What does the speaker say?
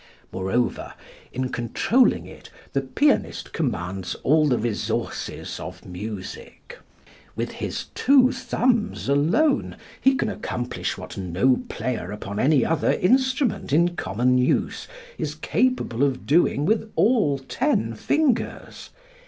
Moreover, in controlling it the pianist commands all the resources of music. With his two thumbs alone he can accomplish what no player upon any other instrument in common use is capable of doing with all ten fingers.